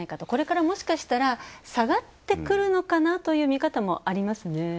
これからもしかしたら下がってくるのかなという見方もありますね。